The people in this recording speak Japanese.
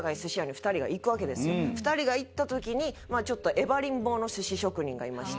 ２人が行った時にまあちょっとえばりんぼうの寿司職人がいまして。